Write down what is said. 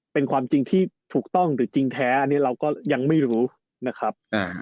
เป็นความจริงที่ถูกต้องหรือจริงแท้อันนี้เราก็ยังไม่รู้นะครับ